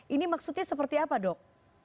ini maksudnya seperti apa dok